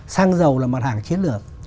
xăng dầu là mặt hàng chiến lược